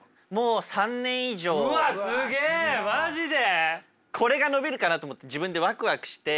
うわっすげえマジで！？